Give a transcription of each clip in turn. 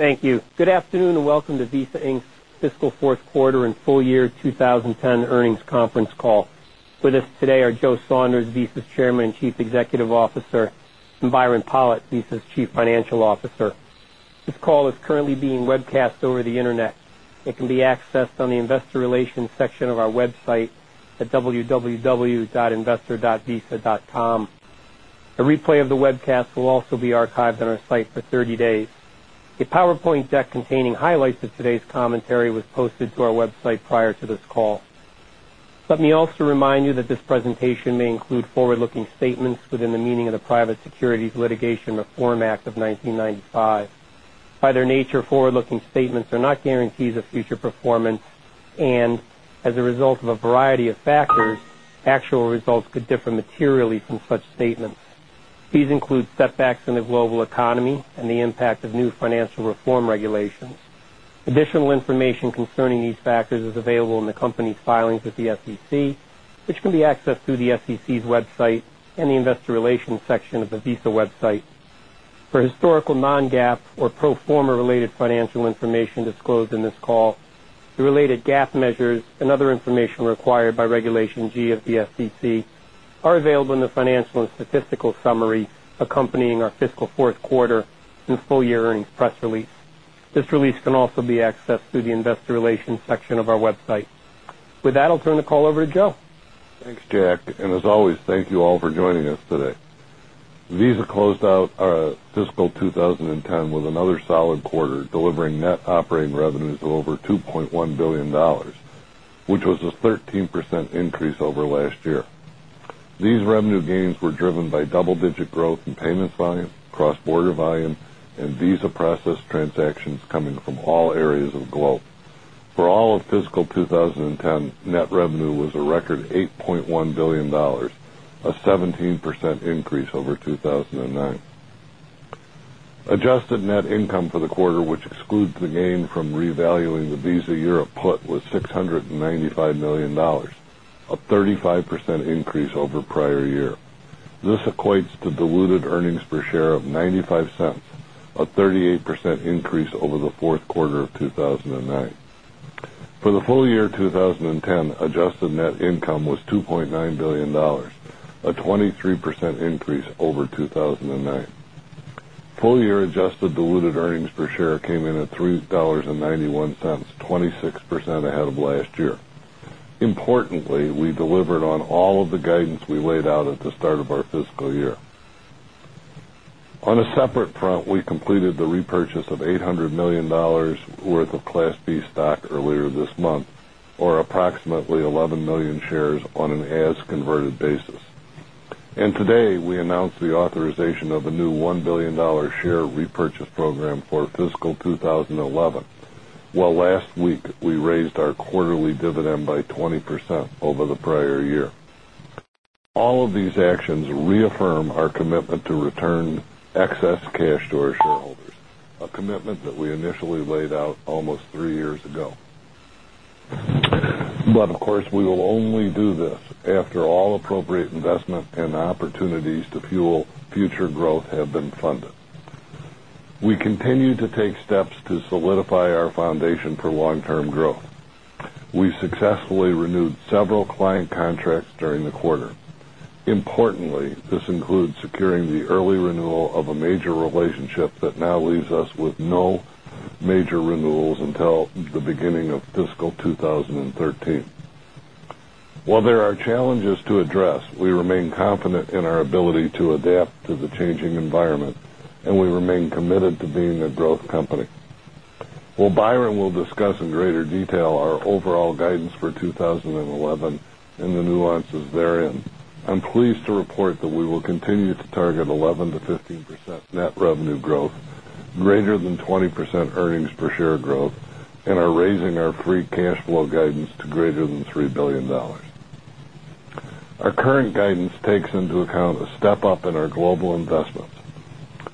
Thank you. Good afternoon and welcome to Visa Inc. Fiscal 4th quarter and full year 2010 earnings conference call. With us today are Joe Saunders, Visa's Chairman and Chief Executive Officer and Byron Pollitt, Visa's Chief Financial Officer. This call is currently being webcast over the Internet. It can be accessed on the Investor Relations section of our website at www. At investor. Visa.com. A replay of the webcast will also be archived on our site for 30 days. A PowerPoint deck containing highlights of today's commentary was posted to our website prior to this call. Let me also remind you that this presentation may include forward looking statements within the meaning of the Private Securities Litigation Reform Act of 1995. By their nature, forward looking statements are not guarantees of future performance and As a result of a variety of factors, actual results could differ materially from such statements. These include setbacks in the global economy and the impact of new financial reform regulations. Additional information concerning these factors is available in the company's filings with the SEC, which can be accessed through the SEC's website in the Investor Relations section of the Visa website. For historical non GAAP or pro form a related financial and disclosed in this call, the related GAAP measures and other information required by Regulation G of the SEC are available in the financial and statistical summary accompanying our fiscal Q4 and full year earnings press release. This release can also be accessed through the Investor Relations section of our website. With that, I'll turn the call over to Joe. Thanks, Jack. And as always, thank you all for joining us today. Visa closed out our fiscal 2010 with another solid quarter delivering net operating revenues of over $2,100,000,000 which was a 13% increase over last year. These revenue gains were driven by double digit growth in payments volume, cross border volume and Visa process transactions coming all areas of the globe. For all of fiscal 2010, net revenue was a record $8,100,000,000 a 17% increase over 2 2,009. Adjusted net income for the quarter, which excludes the gain from revaluing the Visa Europe put was 6.95 a 38% increase over the Q4 of $2,900,000,000 a 23% increase over 2,009. Full year adjusted diluted earnings per Share came in at $3.91 26 percent ahead of last year. Importantly, we delivered on all of the guidance we laid out at the start of our fiscal year. On a separate front, we completed the repurchase of $800,000,000 worth of Class B stock earlier this month or approximately 11,000,000 shares on an as converted basis. And today, we announced the authorization of a new $1,000,000,000 share repurchase program for fiscal 20 11. Well, last We raised our quarterly dividend by 20% over the prior year. All of these actions reaffirm our commitment to return excess cash to our shareholders, a commitment that we initially laid out almost 3 years ago. But of course, we will only do this after all appropriate investment and opportunities to fuel future growth have We continue to take steps to solidify our foundation for long term growth. We Successfully renewed several client contracts during the quarter. Importantly, this includes securing the early renewal of relationship that now leaves us with no major renewals until the beginning of fiscal 2013. While there are challenges to address, we remain confident in our ability to adapt to the changing environment and we remain committed To being a growth company. While Byron will discuss in greater detail our overall guidance for 2011 and the nuances therein. I'm pleased to report that we will continue to target 11% to 15% net revenue growth, greater than 20% earnings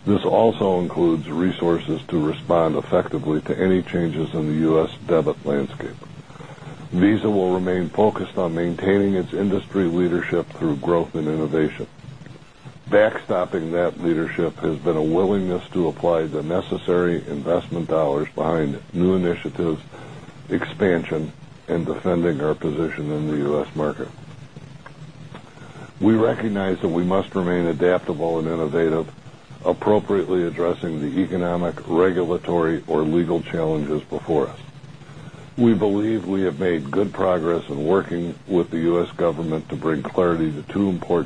This also includes resources to respond effectively to any changes in the U. S. Debit landscape. Visa will remain focused on maintaining its industry leadership through growth and innovation. Backstopping that leadership has been a willingness to apply the Necessary investment dollars behind new initiatives, expansion and defending our position in the U. Two important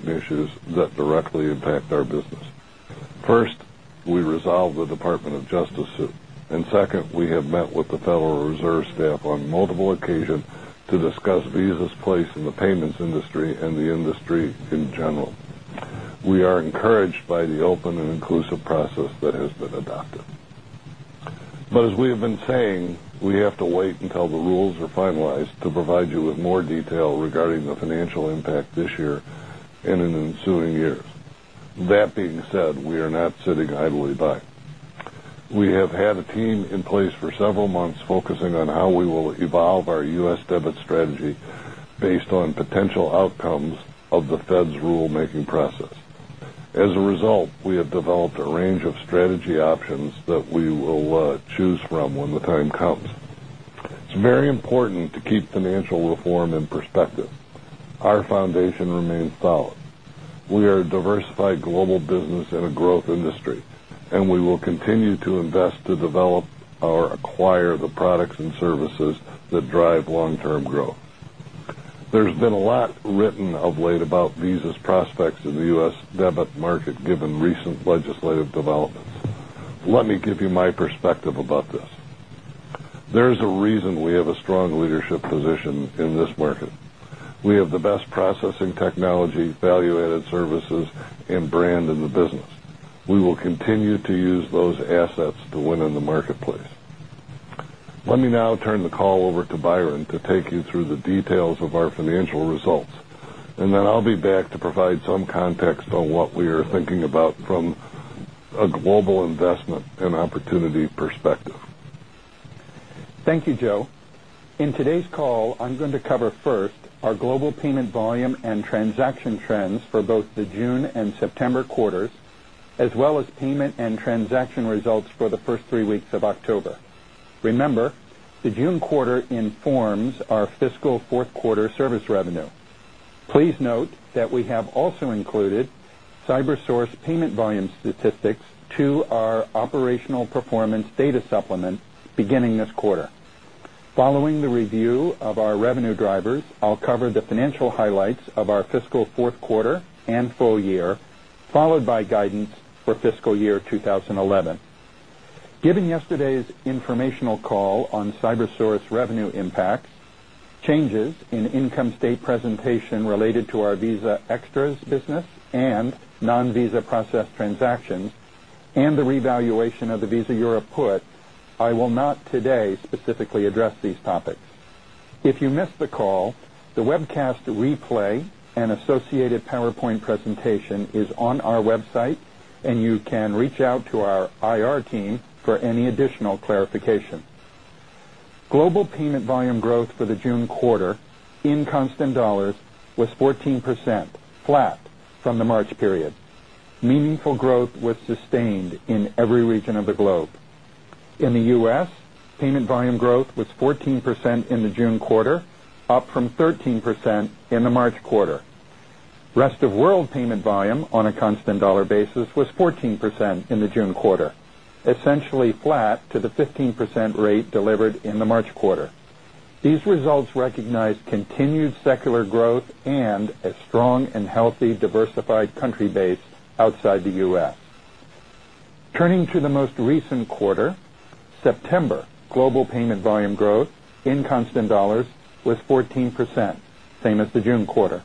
issues that directly impact our business. First, we resolved the Department of Justice suit. And second, we have Met with the Federal Reserve staff on multiple occasions to discuss Visa's place in the payments industry and the industry In general, we are encouraged by the open and inclusive process that has been adopted. But as we have been saying, we We have had a team in place for several months focusing on how we will evolve our U. S. Debit strategy based on potential outcomes of the Fed's rulemaking process. As a result, we have developed a range of strategy options that we will choose from when the time comes. It's very important to keep financial reform in perspective. Our Strong leadership position in this market. We have the best processing technology, value added services and brand in the business. We will continue to use those assets to win in the marketplace. Let me now turn the call over to Byron to take you through for the details of our financial results. And then I'll be back to provide some context on what we are thinking about from a global investment Thank you, Joe. In today's call, I'm going to cover first our global payment volume and transaction trends for both the June September quarters as well as payment and transaction results for the 1st 3 weeks of October. Remember, the June quarter informs our fiscal 4th quarter service revenue. Please note that we have also included CyberSource payment volume statistics to our operational performance data supplement beginning this quarter. Following the review of our revenue drivers, I'll cover the financial highlights of our fiscal Q4 and full year followed by guidance for fiscal year 2011. Given yesterday's informational call on CyberSource revenue impact, Changes in income state presentation related to our Visa Extras business and non Visa process transactions and the revaluation of the Visa Europe put, I will not today specifically address these topics. If you missed the call, The webcast replay and associated PowerPoint presentation is on our website and you can reach out to our IR team for any additional clarification. Global payment volume growth for the June quarter in constant dollars was 14% flat from the March period. Meaningful growth was sustained in every region of the globe. In the U. S, Payment volume growth was 14% in the June quarter, up from 13% in the March quarter. Rest of world payment volume on a constant dollar basis was 14% in the June quarter, essentially flat to the 15% rate delivered in the March quarter. These results recognize continued secular growth and a strong and healthy diversified country base outside the U. S. Turning to the most recent quarter, September global payment volume growth in constant dollars was 14% same as the June quarter.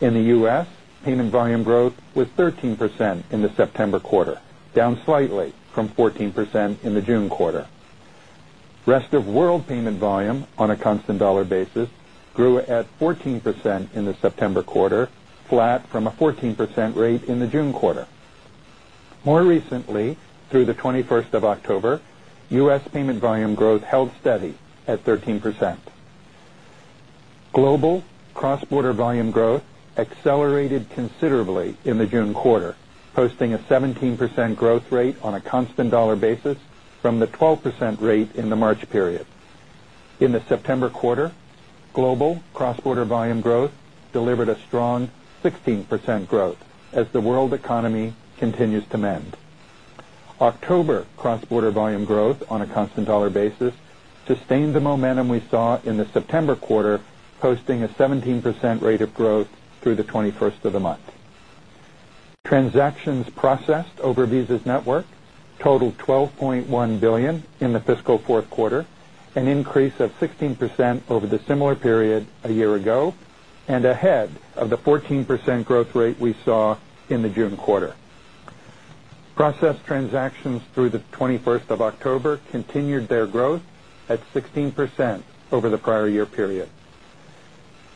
In the U. S. Payment volume growth was 13% in the September quarter, down slightly from 14% in the June quarter. Rest of world payment volume on a constant dollar basis grew at 14% in the September quarter, flat from a 14% rate in the June quarter. More recently through the 21st October, U. S. Payment volume growth held steady at 13%. Global cross border volume growth accelerated considerably in the June quarter posting a 17% growth rate on a constant dollar basis from the 12% rate in the March period. In the September quarter, global cross border volume growth delivered a strong 16% growth as the world economy continues to mend. October cross border volume growth on a constant dollar basis sustained the momentum we saw in the September quarter posting a 17% rate of growth through the 21st of the month. Transactions processed over Visa's network totaled $12,100,000,000 in the fiscal Q4, an increase of 16% over the similar period a year ago and ahead of the 14% growth rate we saw in the June quarter. Process transactions through the 21st October continued their growth at 16% over the prior year period.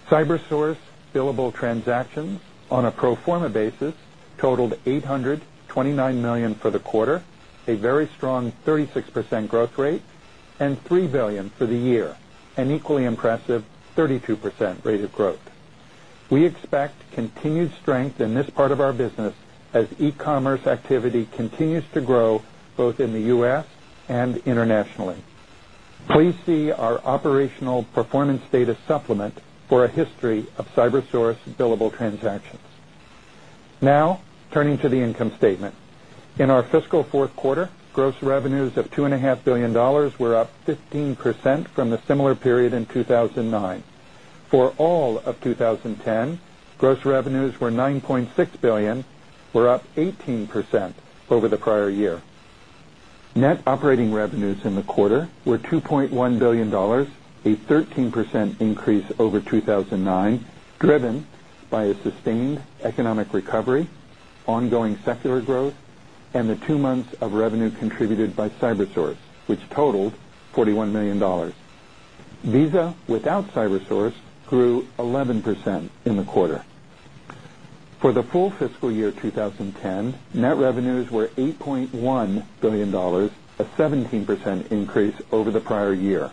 CyberSource billable transactions on a pro form a basis totaled $829,000,000 for the quarter, a very strong 36% growth rate and $3,000,000,000 for the year, an equally impressive 32% rate of growth. We expect continued strength in this part of our business as e commerce activity continues to grow both in the U. S. And internationally. Please see our operational performance data supplement for a history of CyberSource billable transactions. Now turning to the income statement. In our fiscal Q4, gross revenues of $2,500,000,000 were up 15% from the similar period in 2,009. For all of 2010, gross revenues were 9,600,000,000 were up 18% over the prior year. Net operating revenues in the quarter were $2,100,000,000 a 13% increase over 2,009 driven by a sustained economic recovery, ongoing secular growth and the 2 months of revenue contributed by CyberSource which totaled $41,000,000 Visa without CyberSource grew 11% in the quarter. For the full fiscal year 2010, net revenues were $8,100,000,000 a 17% increase over the prior year.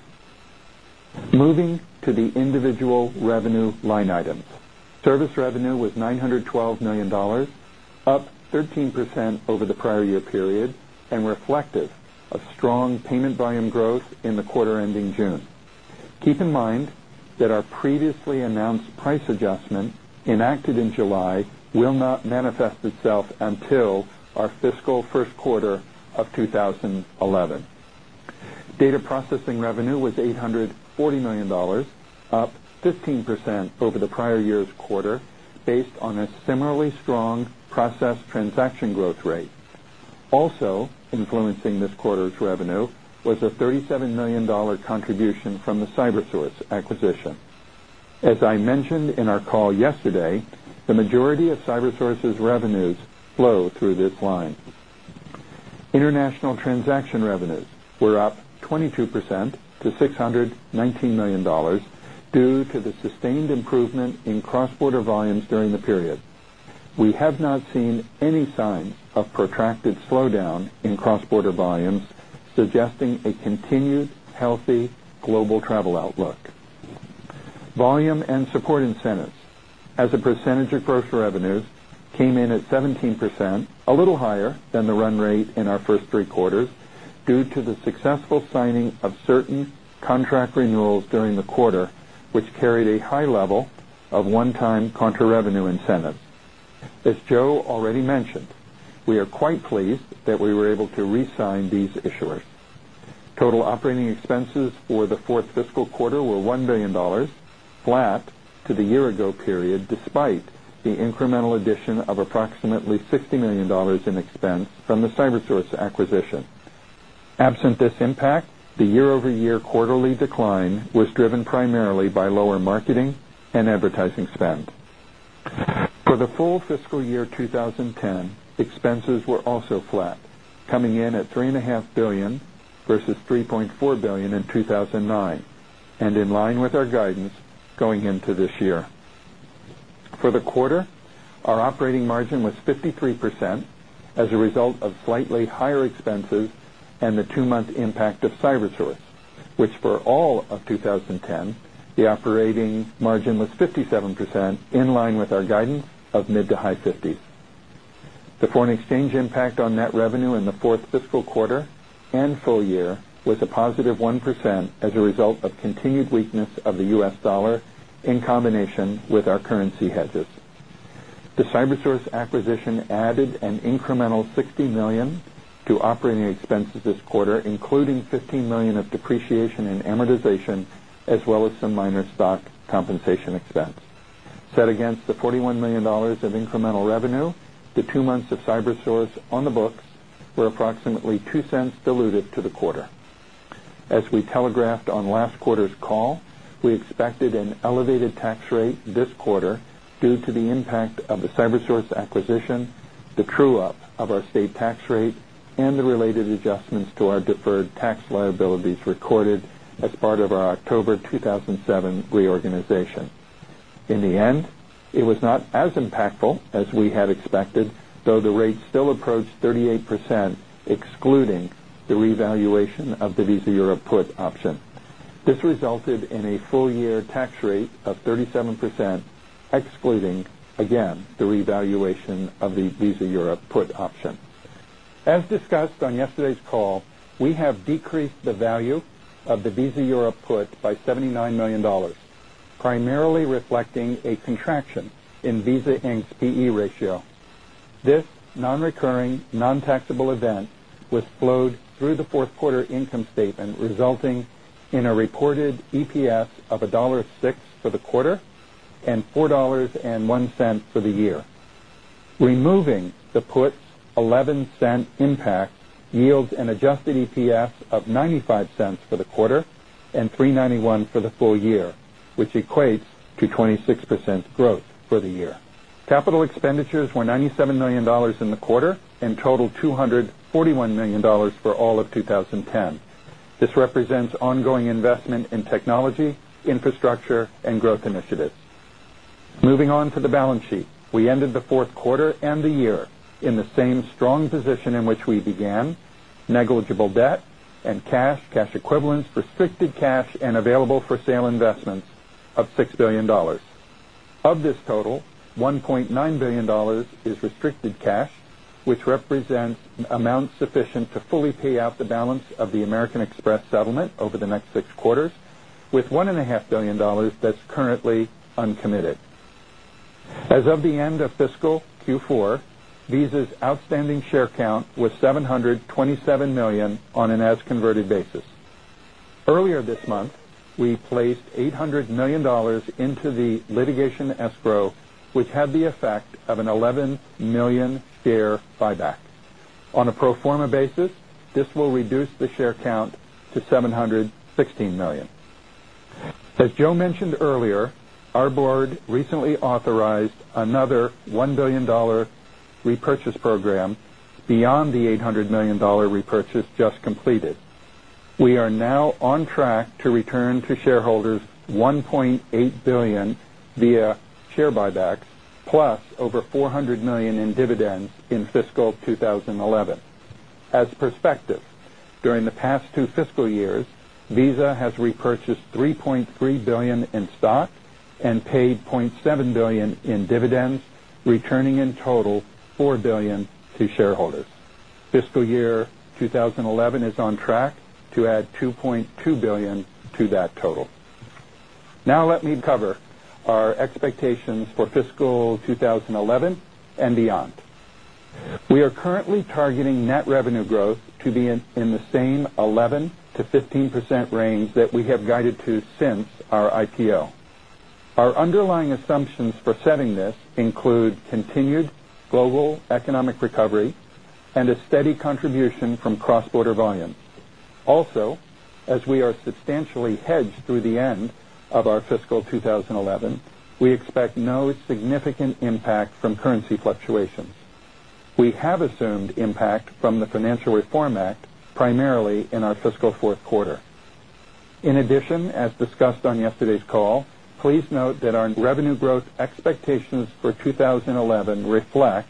Moving to the individual revenue line items. Service revenue was $912,000,000 up 13% over the prior year period and reflective of strong payment volume growth in the quarter ending June. Keep in mind that our previously announced price adjustment enacted in July will not manifest itself until our fiscal Q1 of 2011. Data processing revenue was $840,000,000 up 15% over the prior year's quarter based on a similarly strong process transaction growth rate. Also influencing this quarter's revenue was a $37,000,000 contribution from the CyberSource acquisition. As I mentioned in our call yesterday, The majority of Cybersource's revenues flow through this line. International transaction revenues were up 22% to $619,000,000 due to the sustained improvement in cross border volumes during the period. We have not Volume and support incentives as a percentage of gross revenues came in at 17%, a little higher than the run rate in our 1st 3 quarters due to the successful signing of certain contract renewals during the quarter, which carried a high level of one time contra revenue incentives. As Joe already mentioned, we are quite pleased that we were able to re sign these issuers. Total operating addition of approximately $60,000,000 in expense from the Cybersource acquisition. Absent this impact, The year over year quarterly decline was driven primarily by lower marketing and advertising spend. For the full fiscal year 2010, Expenses were also flat coming in at $3,500,000,000 versus $3,400,000,000 in 2,009 and in line with our guidance going into this year. For the quarter, our operating margin was 53% as a result of slightly higher expenses and the 2 month impact of Cybersource, which for all of 2010 the operating margin was 57% in line with our guidance of mid to high 50s. The foreign exchange impact on net revenue in the 4th fiscal quarter and full year was a positive 1% as a result of continued weakness of the U. S. Dollar in combination with our currency hedges. The CyberSource acquisition added an incremental $60,000,000 to operating expenses this quarter including $15,000,000 of depreciation and amortization as well as some minor stock compensation expense. Set against the $41,000,000 of incremental revenue, the 2 months of CyberSource on the books were approximately $0.02 dilutive to the quarter. As we telegraphed on last quarter's call, we expected an elevated tax rate this quarter due to the impact of the CyberSource acquisition, the true up of our state tax rate and the related adjustments to our deferred tax liabilities recorded as part of our October 2007 reorganization. In the end, it was not as impactful as we had expected though the rates still approached 38% excluding the revaluation of the Visa Europe put option. This resulted in a full year tax rate of 37% excluding again the revaluation of the Visa Europe put option. As discussed on yesterday's call, we have decreased the value of the Visa Europe put by $79,000,000 primarily reflecting a contraction in Visa Inc. PE ratio. This non recurring, non taxable event was flowed through the 4th quarter income statement resulting in a reported EPS of $1.06 for the quarter and $4.01 for the year. Removing the puts, dollars 0.11 impact yields and adjusted EPS of $0.95 for the quarter and $3.91 for the full year which equates to 26% growth for the Capital expenditures were $97,000,000 in the quarter and totaled $241,000,000 for all of 2010. This represents ongoing investment in technology, infrastructure and growth initiatives. Moving on to the balance sheet, we ended the Q4 and the year In the same strong position in which we began, negligible debt and cash, cash equivalents, restricted cash and available for sale investments of $6,000,000,000 Of this total, dollars 1,900,000,000 is restricted cash which represents amounts sufficient to fully pay out balance of the American Express settlement over the next 6 quarters with $1,500,000,000 that's currently uncommitted. As of the end of fiscal Q4, Visa's outstanding share count was 727,000,000 on an converted basis. Earlier this month, we placed $800,000,000 into the litigation escrow which had the effect of an 11,000,000 share buyback. On a pro form a basis, this will reduce the share count to $716,000,000 As Joe mentioned earlier, our Board recently authorized another $1,000,000,000 repurchase program beyond the $800,000,000 repurchase just completed. We are now on track to return to shareholders dollars 1,800,000,000 via share buybacks plus over $400,000,000 in dividends in fiscal 2011. As perspective, during the past 2 fiscal years Visa has repurchased $3,300,000,000 in stock and paid $700,000,000 in dividends returning in total $4,000,000,000 to shareholders. Fiscal year 2011 is on track to add $2,200,000,000 to that total. Now let me cover our expectations for fiscal 2011 beyond. We are currently targeting net revenue growth to be in the same 11 to 15% range that we have guided to since our IPO. Our underlying assumptions for setting this include continued global economic recovery and a steady contribution from cross border volume. Also, as we are substantially hedged through the end of our fiscal 2011, we expect no significant impact from currency fluctuations. We have assumed impact from the Financial Reform Act primarily in our fiscal Q4. In addition, as discussed on yesterday's call, Please note that our revenue growth expectations for 2011 reflect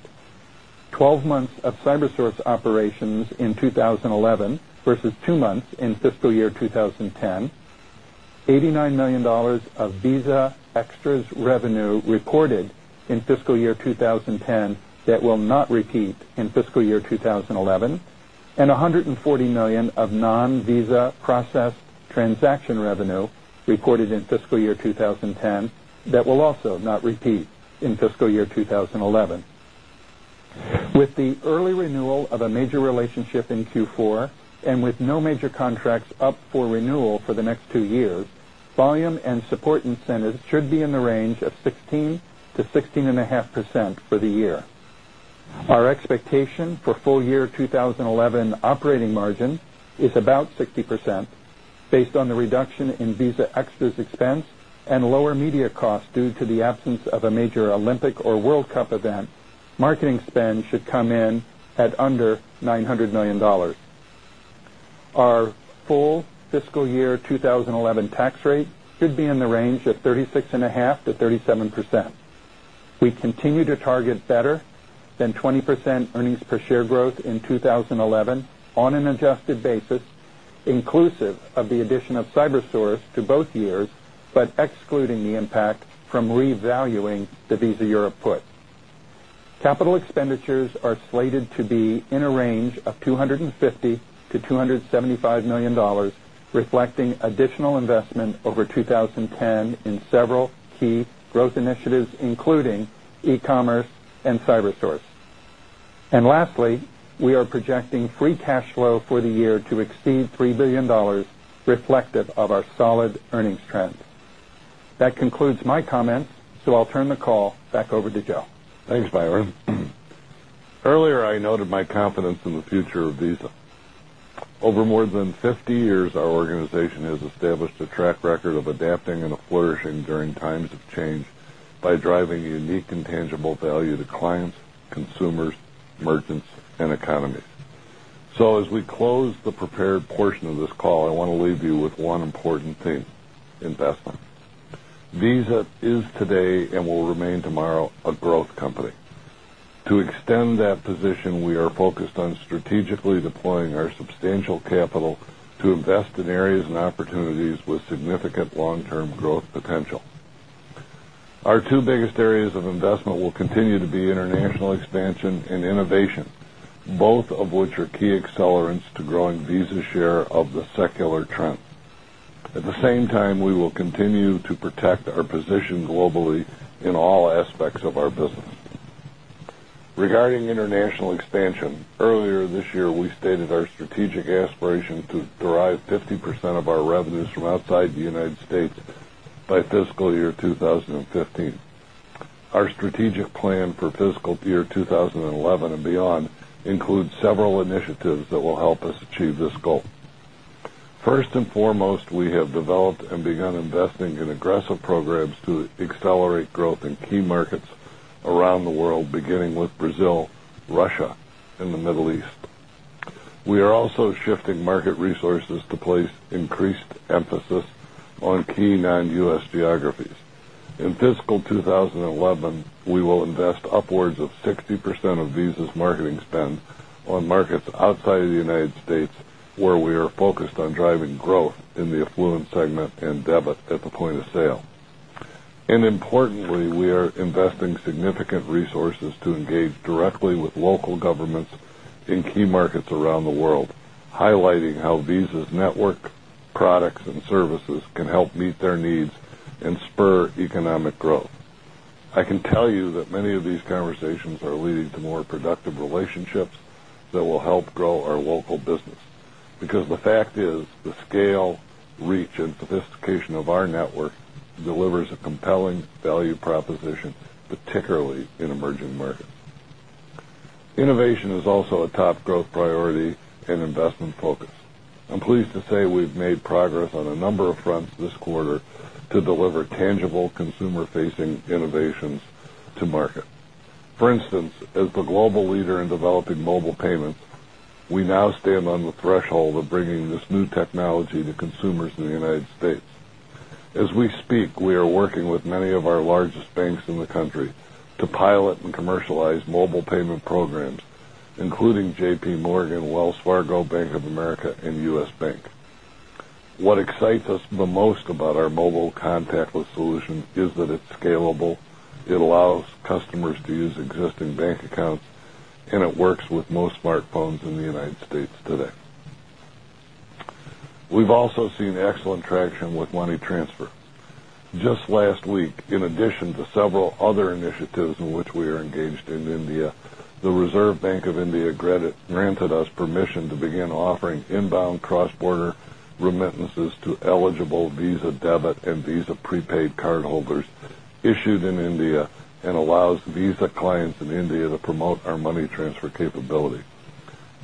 12 months of CyberSource operations in 2011 versus 2 months in fiscal year 2010, dollars 89,000,000 of Visa Extras revenue recorded in fiscal year 2010 that will not repeat in fiscal year 2011 and $140,000,000 of non Visa process transaction revenue reported in fiscal year 2010 that will also not repeat in fiscal year 2011. With the early renewal of a major relationship in Q4 and with no major contracts up for renewal for the next 2 years, Volume and support incentives should be in the range of 16% to 16.5% for the year. Our expectation For full year 2011 operating margin is about 60% based on the reduction in Visa Extra's expense and lower media costs due to the absence of a major Olympic or World Cup event, marketing spend should come in at under $900,000,000 Our full fiscal year 2011 tax rate should be in the range of 36.5% to 37%. We continue to target better than 20% earnings per share growth in 2011 on an adjusted basis inclusive of the addition of CyberSource to both years but excluding the impact from revaluing the Visa Europe investment over 20.10 in several key growth initiatives including e commerce and CyberSource. And lastly, we are projecting free cash flow for the year to exceed $3,000,000,000 reflective of our solid earnings trend. That concludes my comments. So I'll turn the call back over to Joe. Thanks, Byron. Earlier I noted Confidence in the future of Visa. Over more than 50 years, our organization has established a track record of adapting and flourishing during times of change by driving unique intangible value to clients, consumers, merchants and economies. So as we close the prepared portion of this call, I want to leave you with one important thing, investment. Visa is today and will remain tomorrow a growth company. To extend that position, we are focused on strategically deploying our substantial capital to invest in areas and opportunities with significant long term growth potential. Our two biggest areas of investment will continue to be international expansion and innovation, both of which are key accelerants to growing Visa share of the secular trend. At the same time, we will continue to protect our positioned globally in all aspects of our business. Regarding international expansion, earlier this 2015. Our strategic plan for fiscal year 2011 beyond includes several initiatives that will help us achieve this goal. 1st and foremost, we have developed and begun investing in aggressive programs to accelerate growth in key markets around the world on markets outside of the United States where we are focused on driving growth in the affluent segment and debit at the point of sale. And importantly, we are investing significant resources to engage directly with local governments in key markets around the world highlighting how Visa's network products and services can help meet their needs and spur economic growth. Can tell you that many of these conversations are leading to more productive relationships that will help grow our local business because the fact is the scale, Reach and sophistication of our network delivers a compelling value proposition, particularly in emerging Mark? Innovation is also a top growth priority and investment focus. I'm pleased to say we've made progress on a number of this quarter to deliver tangible consumer facing innovations to market. For instance, as the global leader in developing mobile payments, We now stand on the threshold of bringing this new technology to consumers in the United States. As we speak, we are working with many of our largest banks in the country to pilot and commercialize mobile payment programs including JP Wells Fargo, Bank of America and U. S. Bank. What excites us the most about our mobile contactless solution is It allows customers to use existing bank accounts and it works with most smartphones in the United States today. We've also seen excellent traction with money transfer. Just last week in addition to several other initiatives in which we are engaged in India, The Reserve Bank of India granted us permission to begin offering inbound cross border remittances to eligible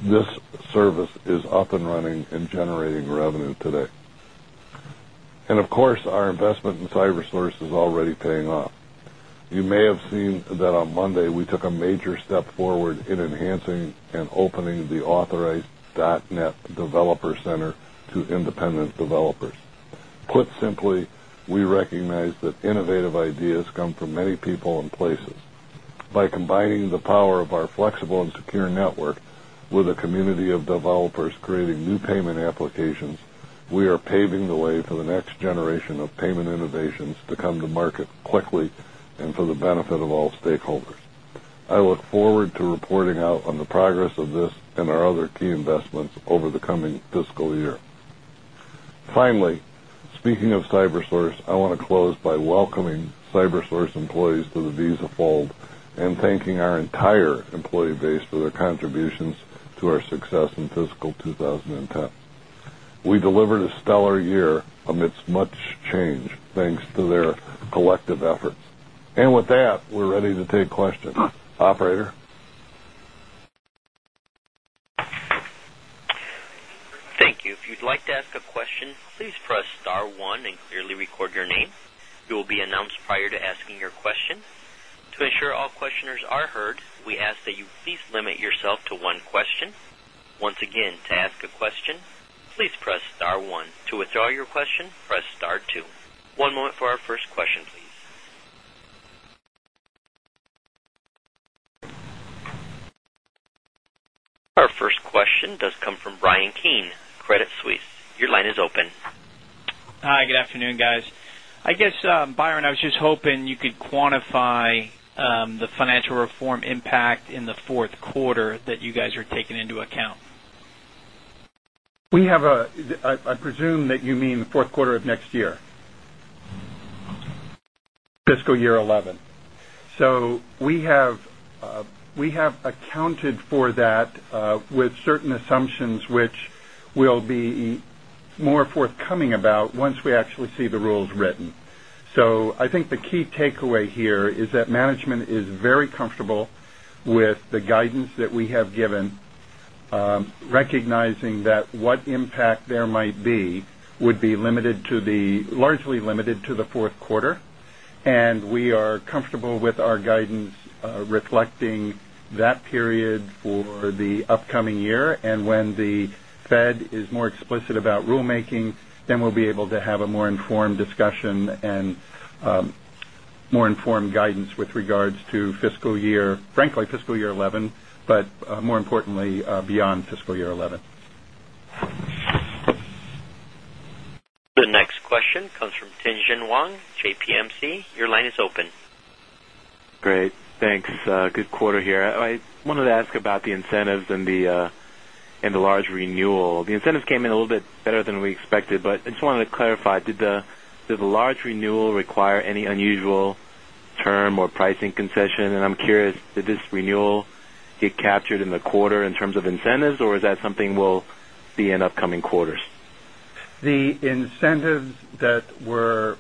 This service is up and running and generating revenue today. And of course, Cybersource is already paying off. You may have seen that on Monday, we took a major step forward in enhancing and opening the authorized dot net developer center to independent developers. Put simply, we recognize that innovative ideas come from many in places. By combining the power of our flexible and secure network with a community of developers creating new payment applications, we are paving by welcoming CyberSource employees to the Visa fold and thanking our entire employee base for their contributions to our success in fiscal 2010. We delivered a stellar year amidst much change, thanks to their collective efforts. And with that, we're ready to take questions. Operator? Thank Our first question does come from Bryan Keane, Credit Suisse. Your line is open. Hi, good afternoon guys. I guess, Byron, I was just hoping you could quantify the financial reform impact in the 4th quarter That you guys are taking into account? We have a I presume that you mean Q4 of next year, Fiscal year 2011. So we have accounted for that with certain assumptions, which will be more forthcoming about once we actually see the rules written. So I think the key takeaway here is that management is very comfortable with the guidance that we have given, recognizing that what impact there might would be limited to the largely limited to the 4th quarter. And we are comfortable with our guidance reflecting That period for the upcoming year and when the Fed is more explicit about rulemaking, then we'll be able to have discussion and more informed guidance with regards to fiscal year frankly fiscal year 2011, but beyond fiscal year 2011. The next question comes from Tien Tsin Huang, JPMC. Your line is open. Great. Thanks. Good quarter here. I wanted to ask about the incentives and the large renewal. The incentives came in a little bit better than we But I just wanted to clarify, did the large renewal require any unusual term or pricing concession? And I'm curious, did this renewal You captured in the quarter in terms of incentives or is that something we'll be in upcoming quarters? The incentives that were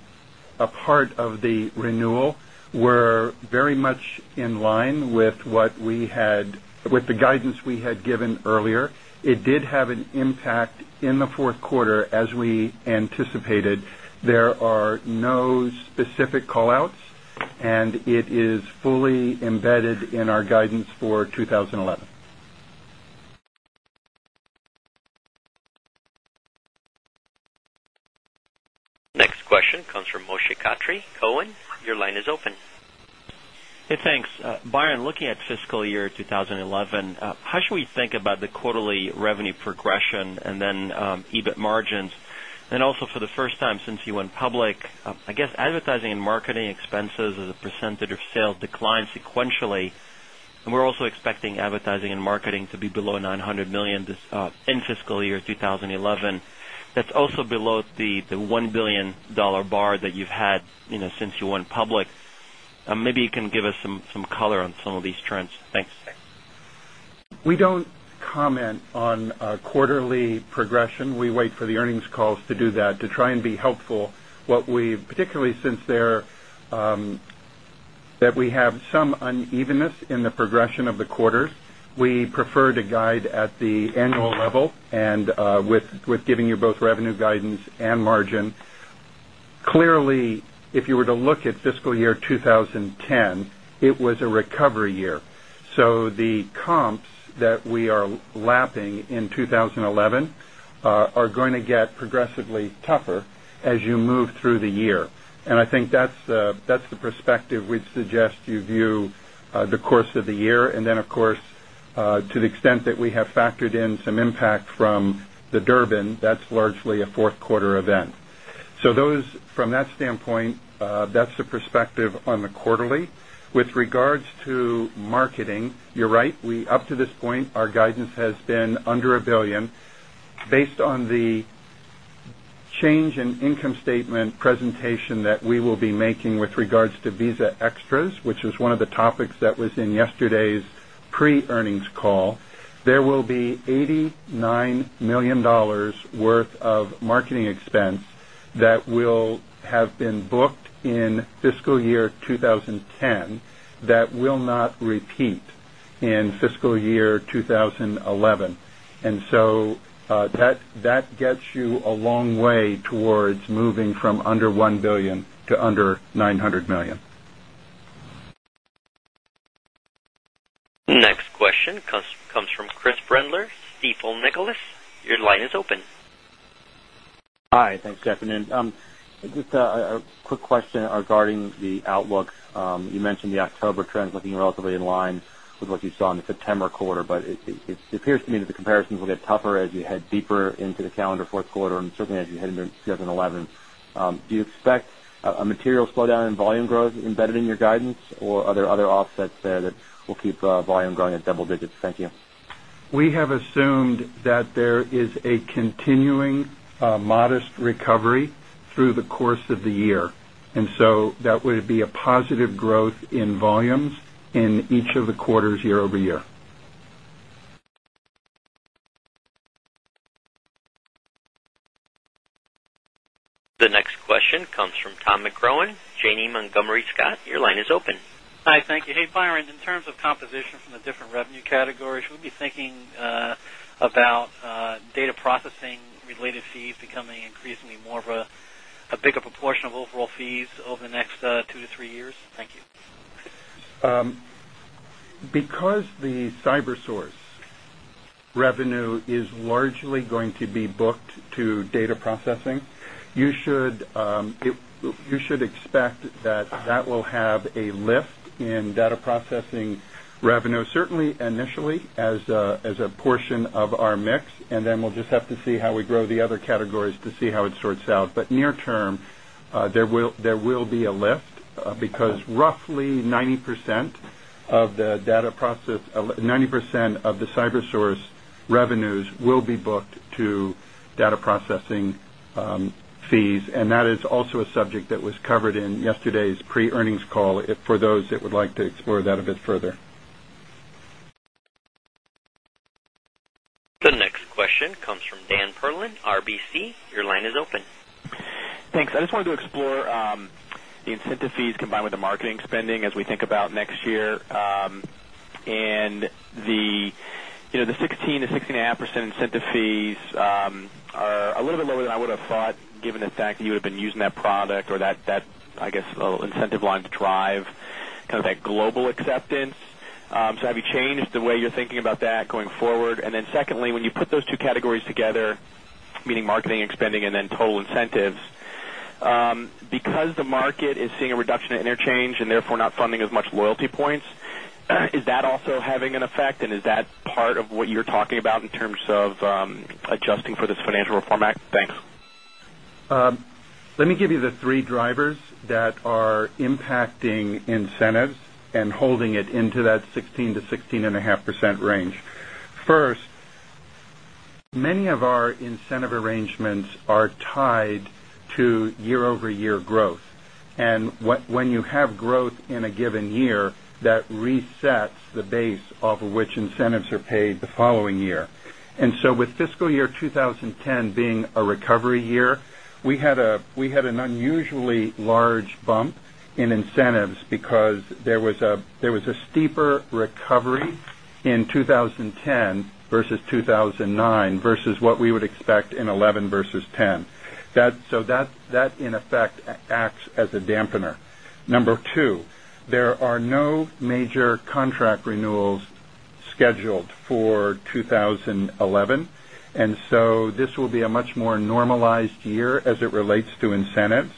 A part of the renewal, we're very much in line with what we had with the guidance we had given earlier. It did have an impact in the 4th quarter as we anticipated. There are no Callouts and it is fully embedded in our guidance for 2011. Next question comes from Moshe Katri, Cowen. Your line is open. Thanks. Byron, looking at fiscal year 2011, how should we think about the quarterly revenue progression and then EBIT margins? And also for the first time since you went public, I guess advertising and marketing expenses as a percentage of sales declined sequentially. We're also expecting advertising and marketing to be below $900,000,000 in fiscal year 2011. That's also below the $1,000,000,000 bar that you've since you went public. Maybe you can give us some color on some of these trends. Thanks. We don't Comment on quarterly progression. We wait for the earnings calls to do that to try and be helpful. What we've particularly since there that we have some unevenness in the progression of the quarters. We prefer to guide at the annual level and with giving you both revenue guidance and margin. Clearly, if you were to look at fiscal progressively tougher as you move through the year. And I think that's the perspective we'd suggest you view the course of the year. And then, of course, to the extent that we have factored in some impact from the Durbin, that's largely a 4th quarter So those from that standpoint, that's the perspective on the quarterly. With regards to marketing, you're right. We With regards to Visa Extras, which was one of the topics that was in yesterday's pre earnings call, there will be $89,000,000 worth of marketing expense that will have been booked in fiscal year 2010 that will not repeat in fiscal year 2011. And so that gets you a long way It's moving from under $1,000,000,000 to under $900,000,000 Next question comes from Chris Brendler, Stifel Nicolaus. Your line is open. Hi. Thanks, Jeff. Just a quick question regarding the outlook. You mentioned the October trends looking relatively in line with what you saw in the September quarter, but it appears to me that the comparisons will get tougher as you head deeper into the calendar Q4 and certainly as you head into 2011. Do you expect a material slowdown in volume growth embedded in your guidance or are there other offsets there that will keep volume growing at double digits? Thank you. We have assumed that there is a continuing modest recovery through the course of the year. And so that would be a positive growth in volumes in each of the quarters year over year. The next question comes from Tom McGrawan, Janney Montgomery Scott. Your line is open. Hi, thank you. Byron, in terms of composition from the different revenue categories, should we be thinking about data processing Related fees becoming increasingly more of a bigger proportion of overall fees over the next 2 to 3 years? Thank you. Because the CyberSource revenue is largely going to be booked to data processing. You should expect that that will have a lift in data processing Revenue, certainly initially as a portion of our mix and then we'll just have to see how we grow the other categories to see how it sorts out. But near term, There will be a lift because roughly 90% of the data process 90% of the CyberSource revenues today's pre earnings call for those that would like to explore that a bit further. The next question comes from Dan Perlin, RBC. Your line is open. Thanks. I just wanted to explore the incentive fees combined with the marketing as we think about next year and the 16% to 6.5% incentive fees are A little bit lower than I would have thought given the fact that you would have been using that product or that I guess incentive line to drive That global acceptance, so have you changed the way you're thinking about that going forward? And then secondly, when you put those 2 categories together, Meaning marketing and spending and then total incentives. Because the market is seeing a reduction in interchange and therefore not funding as much loyalty points. Is that also having an effect and is that part of what you're talking about in terms of adjusting for this Financial Reform Act? Let me give you the 3 drivers that are impacting incentives and are tied to year over year growth. And when you have growth in a given year, that resets the base of which incentives are paid the following year. And so with fiscal year 20 Incentives are paid the following year. And so with fiscal year 2010 being a recovery year, we had an unusually Large bump in incentives because there was a steeper recovery in 2010 Versus 2,009 versus what we would expect in 2011 versus 2010. That so that in effect acts as a dampener. Number 2, there are no major contract renewals scheduled for 20 And so this will be a much more normalized year as it relates to incentives.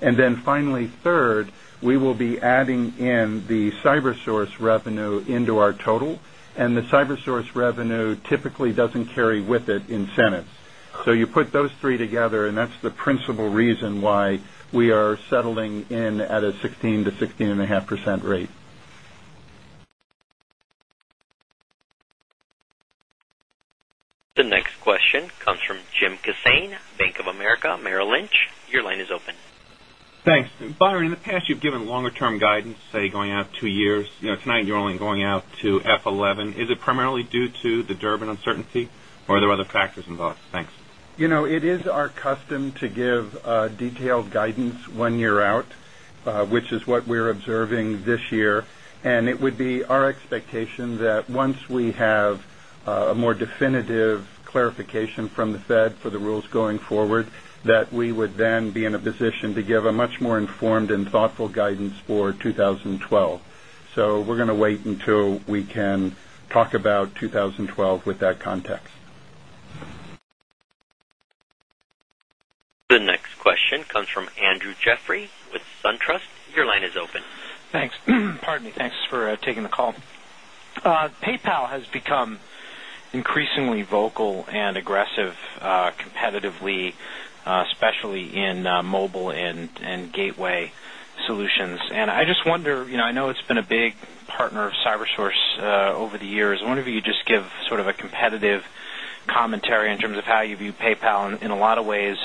And then finally, 3rd, We will be adding in the CyberSource revenue into our total and the CyberSource revenue typically doesn't carry with it Incentives. So you put those 3 together and that's the principal reason why we are settling in at a 16% to 16.5% rate. The next question comes from Jim Kossain, Bank of America Merrill Lynch. Your line is open. Thanks. Byron, in the past you've given longer term guidance, say, going out 2 years. Tonight, you're only going out to F11. Is it primarily due to the Durbin uncertainty? Or there are other factors involved? Thanks. It is our custom to give detailed guidance 1 year out, which is what We're observing this year and it would be our expectation that once we have a more definitive clarification from the Fed For the rules going forward that we would then be in a position to give a much more informed and thoughtful guidance for 2012. So we're going to wait until we can talk about 2012 with that context. The next question comes from Andrew Jeffrey with SunTrust. Your line is open. Thanks. Pardon me. Thanks for taking the call. PayPal has become increasingly vocal and aggressive competitively, especially in mobile and gateway Solutions. And I just wonder, I know it's been a big partner of CyberSource over the years. I wonder if you could just give sort of a competitive commentary in terms of how you view PayPal. In a lot of ways,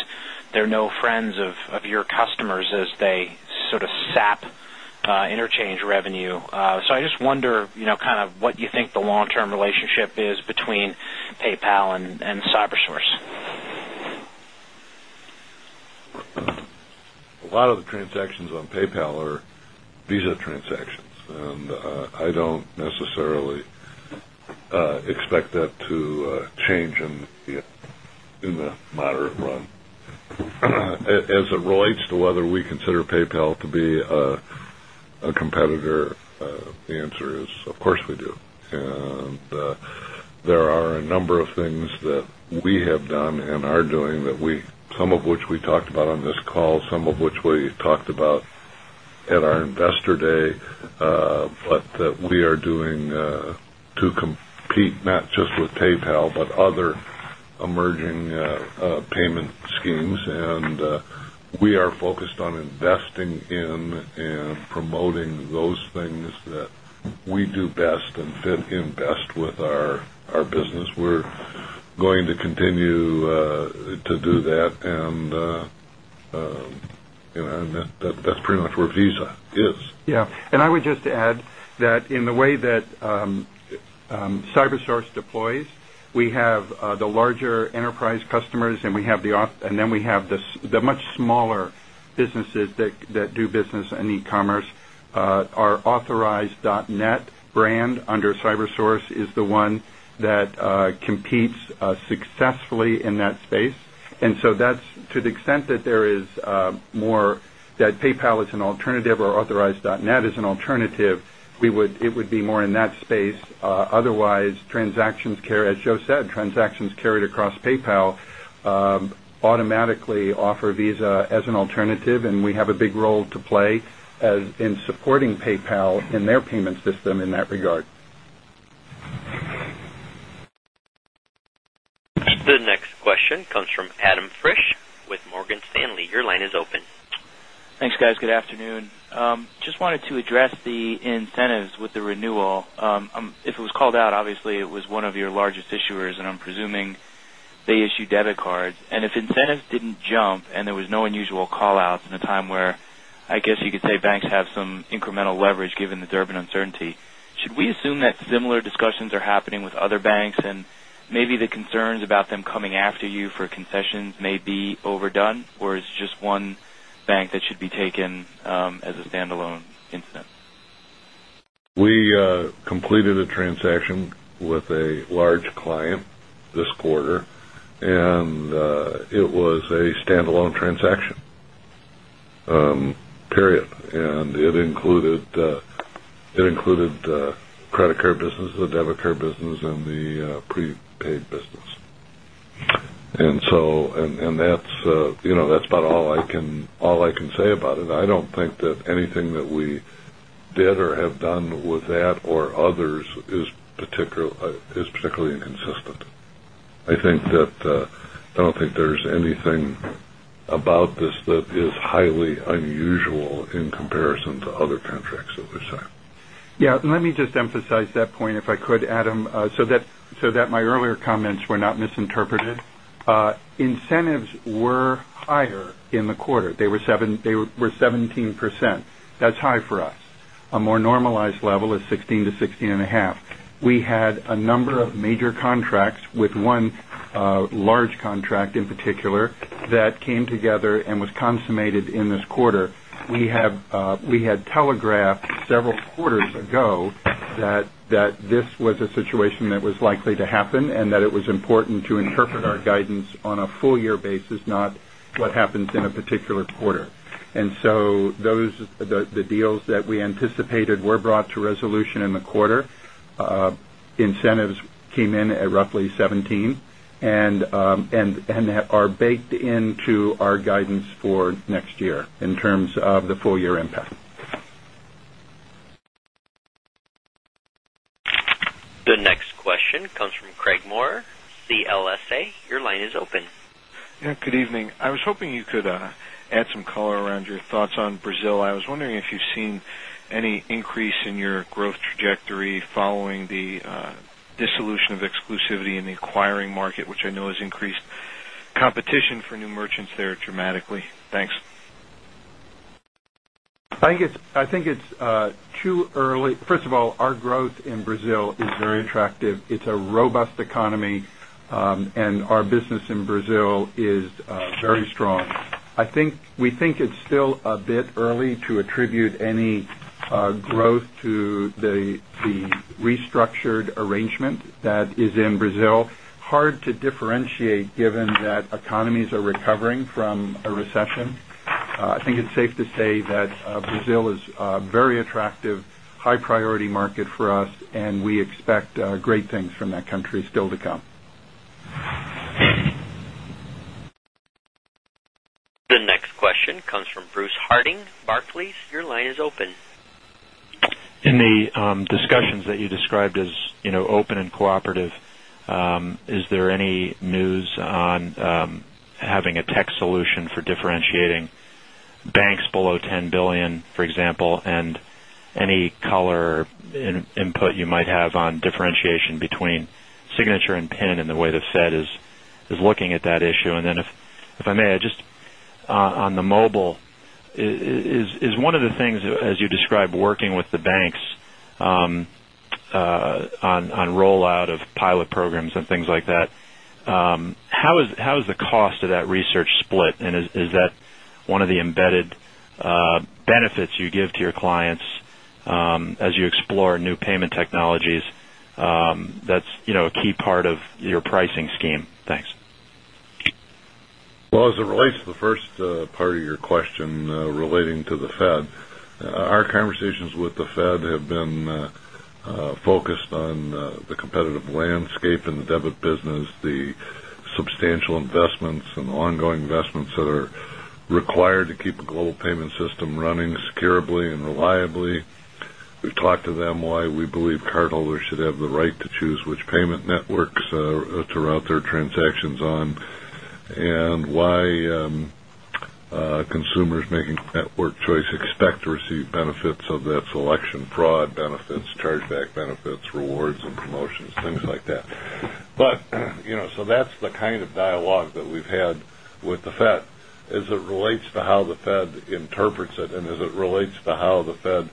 there are no friends of your customers as they SAP interchange revenue. So I just wonder kind of what you think the long term relationship is between PayPal and CyberSource? A lot of the transactions on PayPal are Visa transactions. I don't necessarily expect that to change in the moderate As it relates to whether we consider PayPal to be a competitor, the answer Of course, we do. There are a number of things that we have done and are doing We some of which we talked about on this call, some of which we talked about at our Investor Day, but We are doing to compete not just with PayPal, but other emerging payment And we are focused on investing in and promoting those things that We do best and fit in best with our business. We're going to continue to do that and And that's pretty much where Visa is. Yes. And I would just add that in the way that CyberSource Deploys. We have the larger enterprise customers and we have the and then we have the much smaller businesses that Do business and e commerce. Our authorized.netbrandundercybersource is the one that successfully in that space. And so that's to the extent that there is more that PayPal is an alternative or authorize.net is an alternative. We would it would be more in that space. Otherwise, transactions carry as Joe said, transactions carried across PayPal automatically offer Visa as an alternative and we have a big role to play in supporting PayPal in their payment system in that The next question comes from Adam Fish with Morgan Stanley. Your line is open. Thanks guys. Good afternoon. Just wanted to address the incentives with the renewal. If it was called out, obviously, it was one of your largest issuers and I'm presuming They issued debit cards and if incentives didn't jump and there was no unusual callouts in a time where I guess you could say banks have some incremental leverage given the Durbin uncertainty. Should we assume that similar discussions are happening with other banks and maybe the concerns about them coming after you for concessions may be Overdone? Or is just one bank that should be taken as a standalone incident? We completed a transaction With a large client this quarter and it was a standalone transaction Period. And it included credit card business, the debit card business and the prepaid And so and that's about all I can say about it. I don't think that anything that we Did or have done with that or others is particularly inconsistent. I think that I don't think there's anything About this that is highly unusual in comparison to other contracts that we're saying. Yes. Let me just emphasize that point if I could Adam So that my earlier comments were not misinterpreted. Incentives were higher in the quarter. They were 17%. That's It's high for us. A more normalized level is 16% to 16.5%. We had a number of major contracts with 1 Large contract in particular that came together and was consummated in this quarter. We had telegraphed several quarters ago That this was a situation that was likely to happen and that it was important to interpret our guidance on a full year basis, not What happens in a particular quarter. And so those the deals that we anticipated were brought to resolution in the quarter. Incentives came in at roughly 17% and are baked into our guidance for next year in terms of the full year impact. The next question comes from Craig Maurer, CLSA, your line is open. Good evening. I was hoping you could add some color around your thoughts on Brazil. I was wondering if you've seen Any increase in your growth trajectory following the dissolution of exclusivity in the acquiring market, which I know has increased Competition for new merchants there dramatically? Thanks. I think it's Too early. First of all, our growth in Brazil is very attractive. It's a robust economy and our In Brazil is very strong. I think we think it's still a bit early to attribute any growth to the Restructured arrangement that is in Brazil, hard to differentiate given that economies are recovering from a I think it's safe to say that Brazil is a very attractive high priority market for us and we expect great things from that country still The next question comes from Bruce Harding, Barclays. Your line is open. In the discussions that you described as open and cooperative, is there any news on Having a tech solution for differentiating banks below $10,000,000,000 for example and any color Input you might have on differentiation between Signature and PIN in the way the Fed is looking at that issue. And then if I may, just on the mobile, Is one of the things as you described working with the banks on rollout of pilot programs and things like How is the cost of that research split? And is that one of the embedded benefits you give to your clients as you explore new payment technologies that's a key part of your pricing scheme? Thanks. Well, as it relates to the first part of your question relating to the Fed, our conversations with the Fed Some ongoing investments that are required to keep a global payment system running securably and reliably. We've talked to them why we believe Cardholder should have the right to choose which payment networks to route their transactions on and why Consumers making network choice expect to receive benefits of that selection fraud benefits, chargeback benefits, rewards and promotions, things like that. But So that's the kind of dialogue that we've had with the Fed. As it relates to how the Fed interprets it and as it relates to how the Fed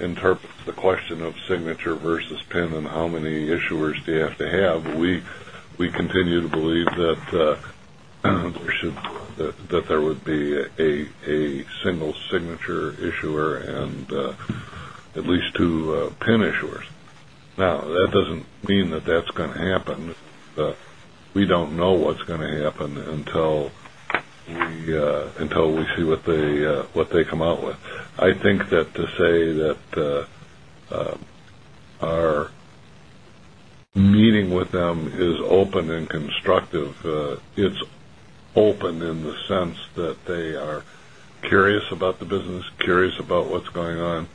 Interprets the question of signature versus pin and how many issuers do you have to have. We continue to believe That there would be a single signature issuer and at least 2 pin issuers. No, that doesn't mean that that's going to happen. We don't know what's going to happen Until we see what they come out with. I think that to say that our Meeting with them is open and constructive. It's open in the sense that they are curious about the business, curious about What's going on?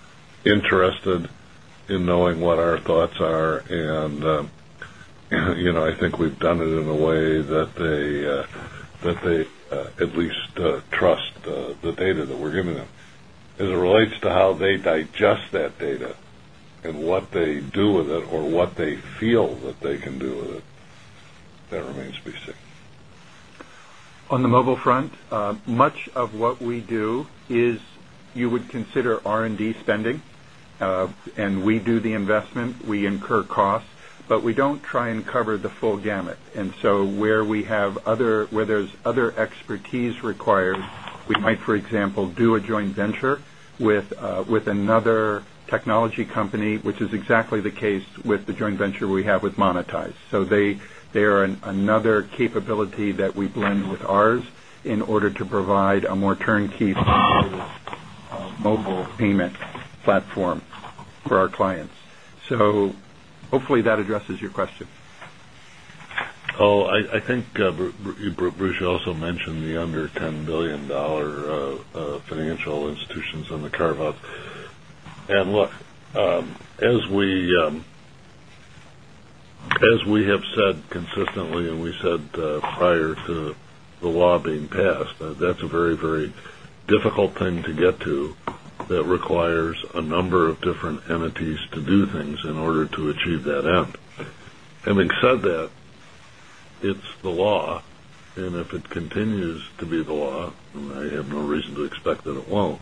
Interested in knowing what our thoughts are and I think we've done it in a way that At least trust the data that we're giving them. As it relates to how they digest that data And what they do with it or what they feel that they can do with it, that remains BC. On the mobile front, much of what we do is you would consider R and D spending. And we do the investment. We incur costs, but we don't try and cover the full gamut. And so where we have other where there's other expertise requires. We might, for example, do a joint venture with another technology company, which is exactly the case with the joint We have with Monetize. So they are another capability that we blend with ours in order to provide a more turnkey through mobile payment platform for our clients. So hopefully that addresses your question. I I think Bruce also mentioned the under $10,000,000,000 financial institutions on the carve outs. And look, as we have said consistently and we said prior to the law being passed, That's a very, very difficult thing to get to. That requires a number of different entities to do things in order to That end. Having said that, it's the law. And if it continues to be the I have no reason to expect that it won't.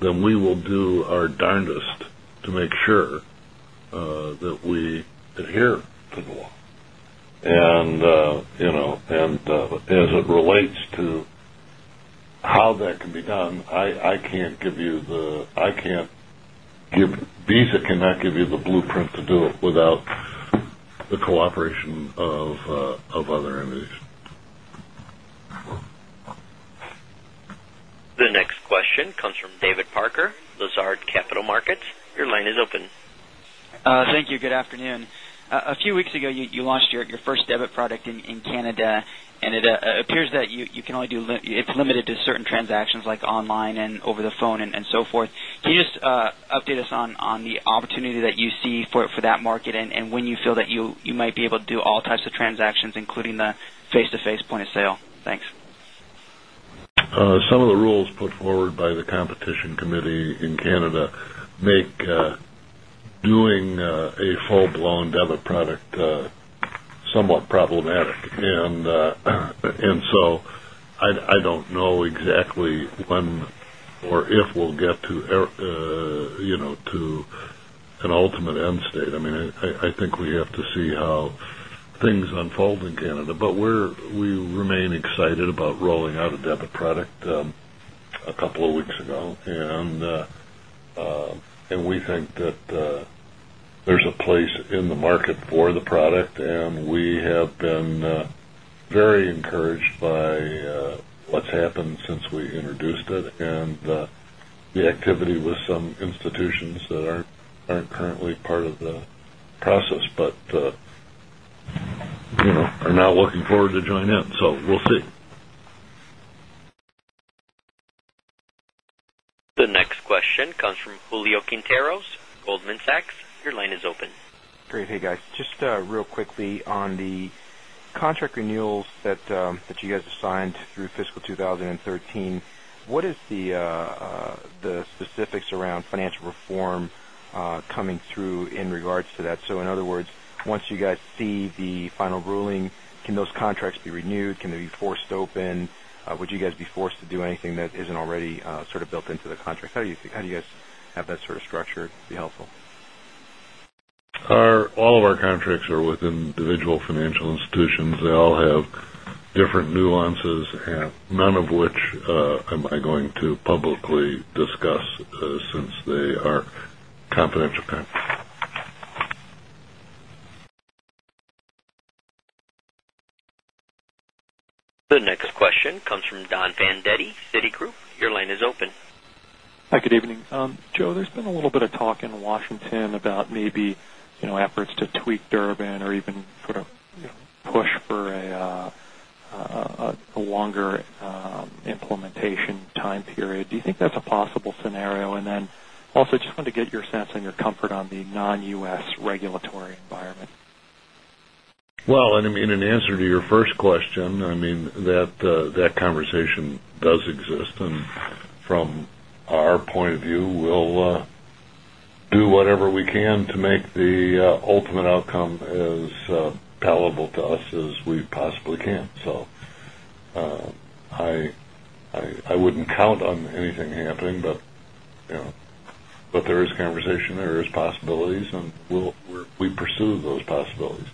Then we will do our darndest to make sure that we adhere to NOAH. And as it relates to How that can be done? I can't give Visa cannot give you the blueprint to do it without The next question comes from David Parker, Lazard Capital Markets. Your line is open. Thank you. Good afternoon. A few weeks ago, you launched your first debit product in Canada And it appears that you can only do it's limited to certain transactions like online and over the phone and so forth. Can you just Update us on the opportunity that you see for that market and when you feel that you might be able to do all types of transactions including the face to face point of sale? Thanks. Some of the rules put forward by the competition committee in Canada make No exactly when or if we'll get to an ultimate end state. I mean, I think we have to see how things unfold in Canada. But we're we remain excited about rolling out a debit product A couple of weeks ago. And we think that there's a place in the market for the product And we have been very encouraged by what's happened since we introduced it and The activity with some institutions that aren't currently part of the process, but are now looking forward to join So we'll see. The next question comes from Julio Quinteros, Goldman Sachs, your line is open. Great. Hey, guys. Just real quickly on the contract renewals that you guys have signed through fiscal 2013. What is the specifics around financial reform coming through in regards to that. So in other words, once you guys see the final ruling, can those contracts be renewed? Can they be forced open? Would you guys be forced to do anything that isn't already sort of built into the contract? How do you guys have that sort of structured? It would be helpful. All of our contracts are within individual financial institutions. They all have different nuances, none of which am I going to publicly The next question comes from Don Fandetti, Citigroup. Your line is open. Good evening. Joe, there's been a little bit of talk in Washington about maybe efforts to tweak Durban or even sort of Push for a longer implementation time period. Do you think that's a possible scenario? And then Also just want to get your sense and your comfort on the non U. S. Regulatory environment? Well, I mean, in answer to your first I mean that conversation does exist. And from our point of view, we'll Do whatever we can to make the ultimate outcome as palatable to us as we possibly can. So I wouldn't count on anything happening, but there is conversation, there is possibilities and We pursue those possibilities.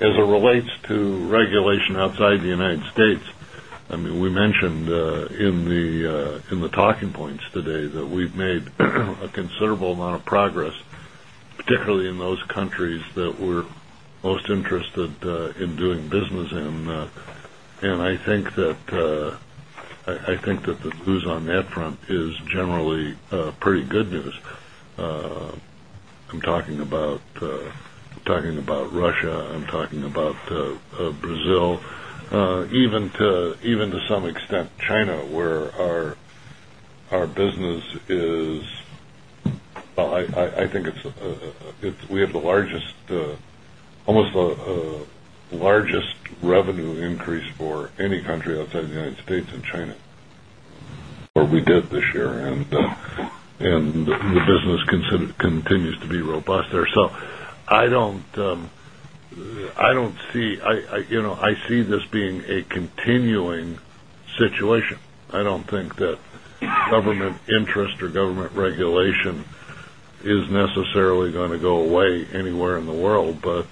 As it relates to regulation outside the United States, I mean, we mentioned in the Talking points today that we've made a considerable amount of progress, particularly in those countries that we're most interested in doing And I think that I think that who's on that front is generally pretty good news. I'm talking about Russia. I'm talking about Brazil. Even to some extent, China where our business is I think it's we The largest almost the largest revenue increase for any country outside the United States and China, We did this year and the business continues to be robust there. So I don't see I see this being a continuing situation. I don't think Government interest or government regulation is necessarily going to go away anywhere the world, but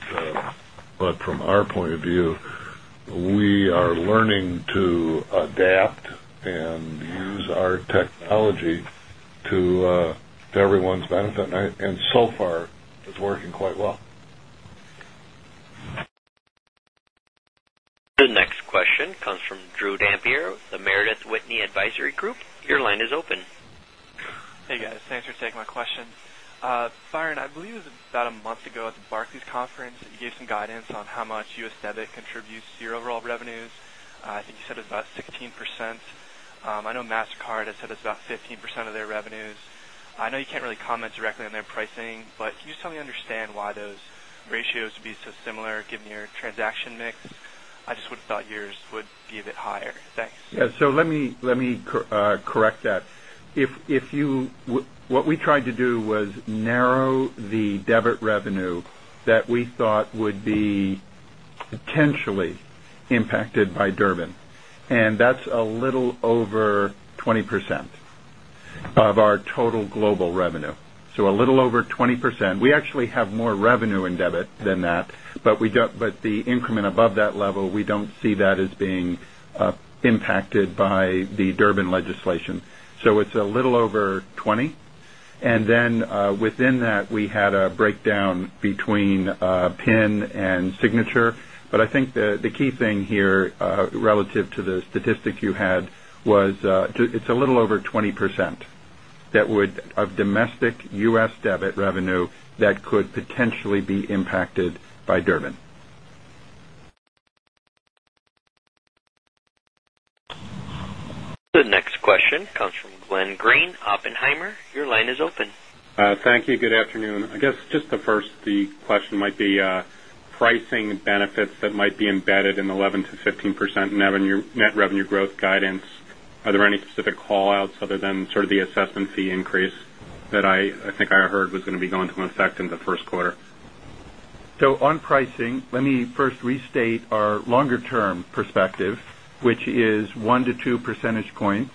from our point of view, we are learning to adapt and And use our technology to everyone's benefit. And so far, it's working quite well. The next question comes from Drew Dampier with the Meredith Whitney Advisory Group. Your line is open. Hey, guys. Thanks for taking my question. Byron, I believe it was about a month ago at the Barclays conference, you gave some guidance on how much U. S. That contributes to your overall revenues. I think you said it's about 16%. I know Mastercard has said it's about 15% of their revenues. I know you can't really comment directly on Pricing, but can you just help me understand why those ratios would be so similar given your transaction mix? I just would have thought yours would a bit higher? Thanks. Yes. So let me correct that. If you what we tried to do was narrow The debit revenue that we thought would be potentially impacted by Durbin and that's A little over 20% of our total global revenue. So a little over 20%. We actually have more revenue in debit Than that. But we don't but the increment above that level, we don't see that as being impacted by the Durbin legislation. So it's a little over 20. And then within that, we had a breakdown between PIN and Signature. But I think the key thing here relative to the statistic you had was it's a little over 20% that would of domestic U. S. Debit revenue that could potentially be impacted by Durbin. The next question comes from Glenn Greene, Oppenheimer. Your line is open. Thank you. Good afternoon. I guess just the first question might be pricing benefits that might be embedded in 11% to 15% net Revenue growth guidance, are there any specific callouts other than sort of the assessment fee increase that I think I heard was going to be going to an effect in the Q1? So on pricing, let me first restate our longer term perspective, which is 1 to 2 percentage points.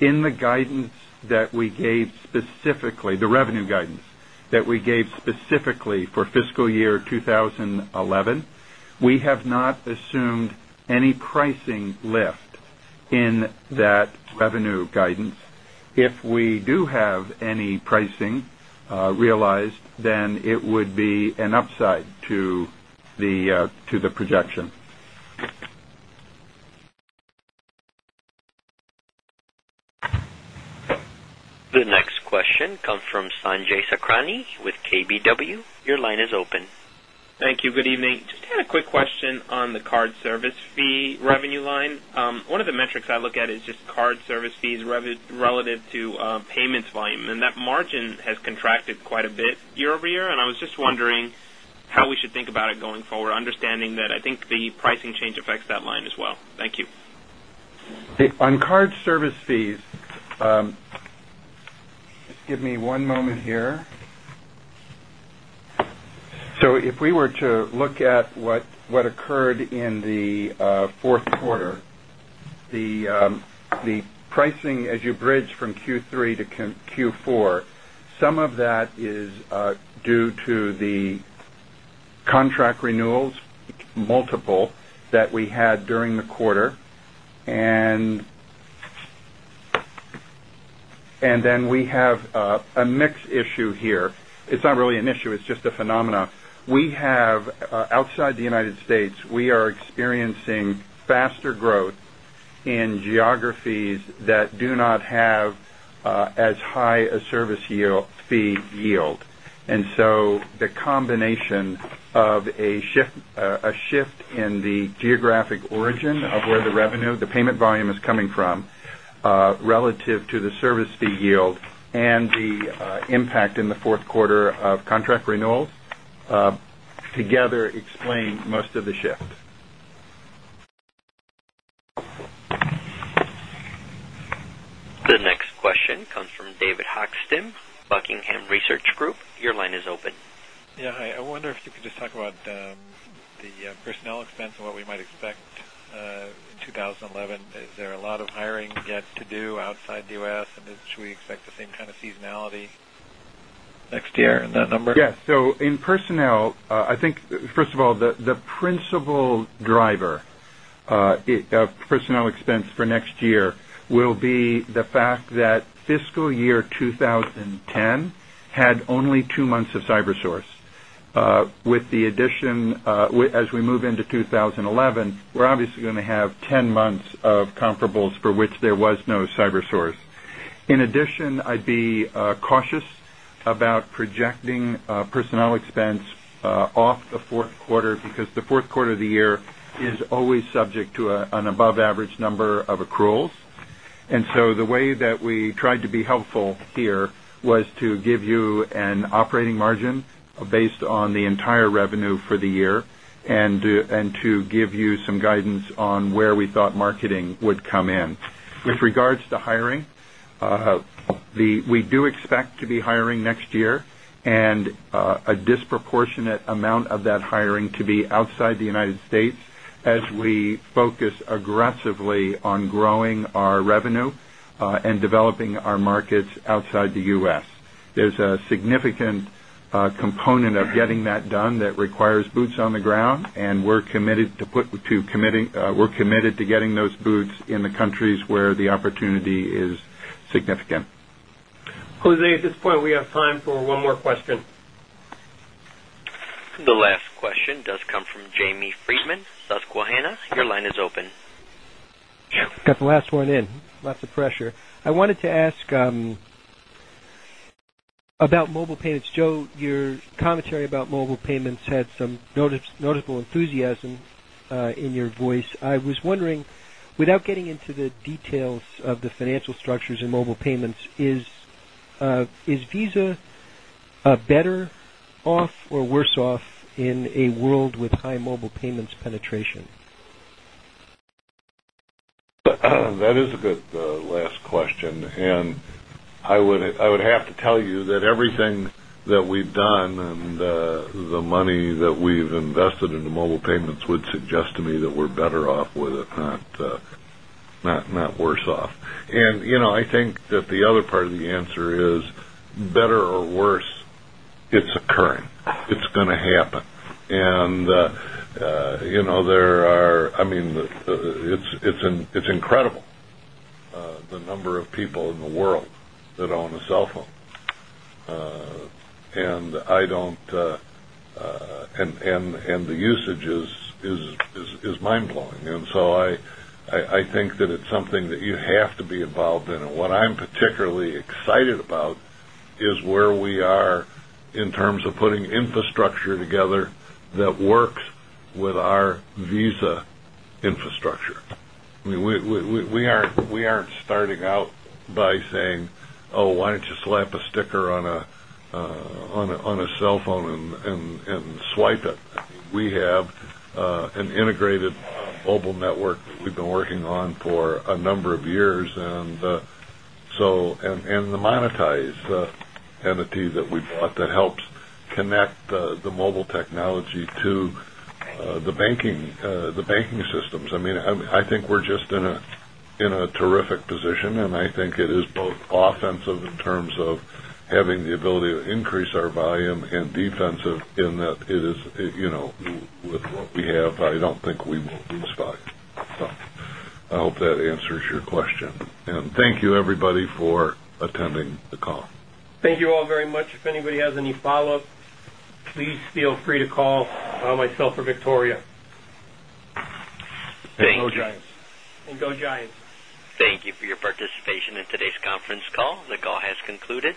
In the guidance that we gave specifically the revenue guidance that we gave specifically for fiscal year 2011, we have not assumed Any pricing lift in that revenue guidance, if we do have any pricing realized, then it would be an upside to the projection. The next question comes from Sanjay Sakhrani with KBW. Your line is open. Thank you. Good evening. Just had a quick question on the card service fee revenue line. One of the metrics I look at is just card service Relative to payments volume and that margin has contracted quite a bit year over year and I was just wondering How we should think about it going forward, understanding that I think the pricing change affects that line as well? Thank you. On card service fees, Just give me one moment here. So if we were to look at what Occurred in the Q4. The pricing as you bridge from Q3 to Q4, Some of that is due to the contract renewals multiple that we had during the quarter. And then we have a mix issue here. It's not really an issue. It's just a phenomena. We have Outside the United States, we are experiencing faster growth in geographies that do not have as high a service fee yield. And so the combination of a shift in the Geographic origin of where the revenue, the payment volume is coming from relative to the service fee yield and the Impact in the Q4 of contract renewals together explain most of the shift. The next question comes from David Hoekseem, Buckingham Research Group. Your line is open. I wonder if you could just talk about the personnel expense and what we might expect in 2011. Is there a lot of hiring yet to Due outside the U. S. And should we expect the same kind of seasonality next year in that number? Yes. So in personnel, I think First of all, the principal driver of personnel expense for next year will be the fact That fiscal year 2010 had only 2 months of CyberSource. With the addition as we move into 20 11, we're obviously going to have 10 months of comparables for which there was no CyberSource. In addition, I'd be cautious About projecting personnel expense off the Q4 because the Q4 of the year is always subject To an above average number of accruals. And so the way that we tried to be helpful here was to give you an operating margin based on the entire revenue for the year and to give you some guidance on where we thought marketing would come in. With regards to hiring, We do expect to be hiring next year and a disproportionate amount That hiring to be outside the United States as we focus aggressively on growing our revenue and developing our markets outside the U. S. There's a significant component of getting that done that requires boots on the ground and we're committed We're committed to getting those boots in the countries where the opportunity is significant. Jose, at this point, we have time for one more question. The last question does come from Jamie Friedman, Susquehanna. Your line Got the last one in, lots of pressure. I wanted to ask About mobile payments, Joe, your commentary about mobile payments had some noticeable enthusiasm in your voice. I was wondering Without getting into the details of the financial structures in mobile payments, is Visa better Off or worse off in a world with high mobile payments penetration? That is a good last question. And I would have to tell you that everything that We've done and the money that we've invested in the mobile payments would suggest to me that we're better off with it, Not worse off. And I think that the other part of the answer is better or worse, It's occurring. It's going to happen. And there are I mean, it's incredible The number of people in the world that own a cell phone. And I don't And the usage is mind blowing. And so I think that it's something that you have to be involved What I'm particularly excited about is where we are in terms of putting infrastructure together that works with our Visa infrastructure. We aren't starting out by saying, oh, why don't you slap a sticker On a cell phone and swipe it. We have an integrated mobile network that we've Working on for a number of years. And so and the monetized entity that we bought that helps connect The mobile technology to the banking systems. I mean, I think we're just in In a terrific position and I think it is both offensive in terms of having the ability to increase our volume and Defensive in that it is with what we have, I don't think we will lose value. So I hope that answers your question. Thank you everybody for attending the call. Thank you all very much. If anybody has any follow-up, please feel free to call myself or Victoria. Thank you. And go Giants. Thank you for your participation in today's conference call. The call has concluded.